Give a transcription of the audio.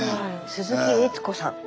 鈴木悦子さん。